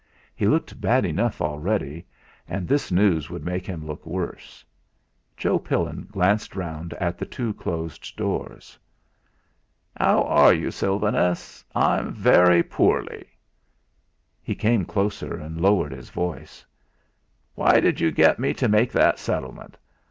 He looked bad enough already and this news would make him look worse. Joe Pillin glanced round at the two closed doors. "How are you, Sylvanus? I'm very poorly." He came closer, and lowered his voice: "Why did you get me to make that settlement?